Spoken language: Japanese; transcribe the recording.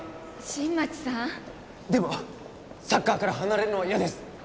新町さんでもサッカーから離れるのは嫌です